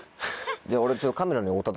じゃあ俺。